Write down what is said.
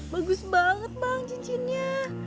bagus banget bang cincinnya